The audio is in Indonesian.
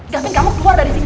tapi kamu keluar dari sini